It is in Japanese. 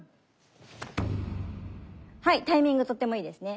はいタイミングとてもいいですね。